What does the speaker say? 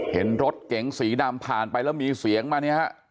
เห็นรถเก๋งสีดำผ่านไปแล้วมีเสียงมาเนี่ยฮะ